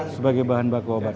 sebagai bahan baku obat